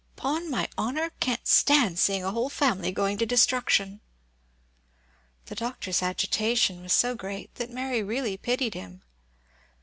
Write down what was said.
'Pon my honour, can't stand seeing a whole family going to destruction!" The Doctor's agitation was so great that Mary really pitied him.